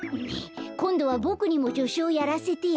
こんどはボクにもじょしゅをやらせてよ。